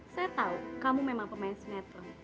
saya tahu kamu memang pemain sinetron